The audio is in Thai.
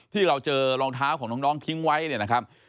ที่เราเจอรองเท้าของน้องทิ้งไว้เนี่ยนะครับ